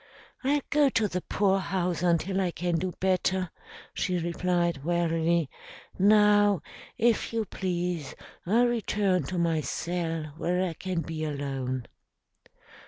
"I'll go to the poorhouse until I can do better," she replied wearily. "Now, if you please, I'll return to my cell where I can be alone."